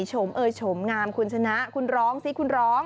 โเอยโฉมงามคุณชนะคุณร้องสิคุณร้อง